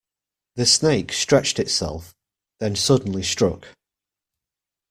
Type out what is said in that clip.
The snake stretched itself, then suddenly struck.